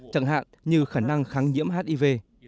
chẳng hạn như khả năng kháng nhiễm hiv